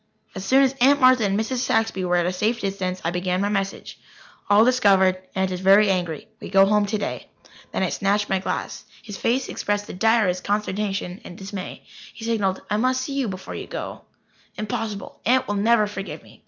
As soon as Aunt Martha and Mrs. Saxby were at a safe distance, I began my message: "All discovered. Aunt is very angry. We go home today." Then I snatched my glass. His face expressed the direst consternation and dismay. He signalled: "I must see you before you go." "Impossible. Aunt will never forgive me.